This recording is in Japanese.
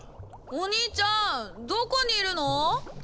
お兄ちゃんどこにいるの？